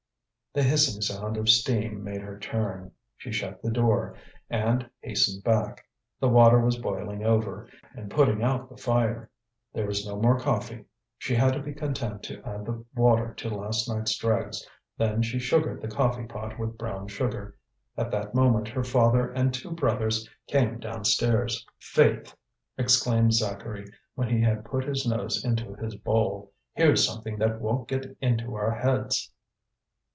The hissing sound of steam made her turn. She shut the door, and hastened back; the water was boiling over, and putting out the fire. There was no more coffee. She had to be content to add the water to last night's dregs; then she sugared the coffee pot with brown sugar. At that moment her father and two brothers came downstairs. "Faith!" exclaimed Zacharie, when he had put his nose into his bowl, "here's something that won't get into our heads."